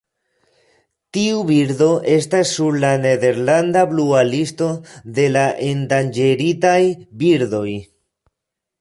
Tiu birdo estas sur la "Nederlanda Blua Listo" de la endanĝeritaj birdoj.